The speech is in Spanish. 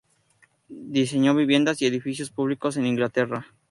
Diseñó viviendas y edificios públicos en Inglaterra.